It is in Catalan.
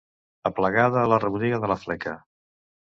Aplegada a la rebotiga de la fleca.